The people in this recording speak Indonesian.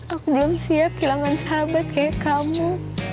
aku belum siap kehilangan sahabat kayak kamu